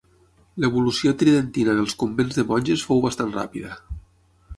L'evolució tridentina dels convents de monges fou bastant ràpida.